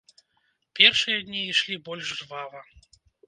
Першыя дні ішлі больш жвава.